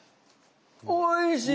おいしい！